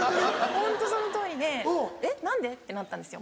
ホントそのとおりでえっ何で？ってなったんですよ。